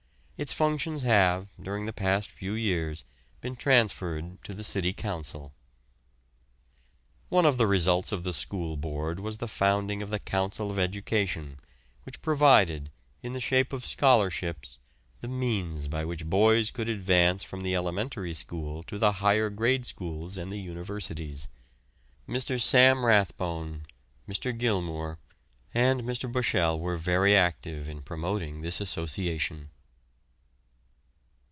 Its functions have, during the past few years, been transferred to the City Council. One of the results of the School Board was the founding of the Council of Education, which provided, in the shape of scholarships, the means by which boys could advance from the elementary school to the higher grade schools and the universities. Mr. Sam Rathbone, Mr. Gilmour, and Mr. Bushell were very active in promoting this association.